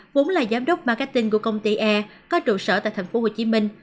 vốn là giám đốc marketing của công ty e có trụ sở tại tp hcm